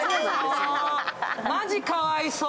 マジかわいそう。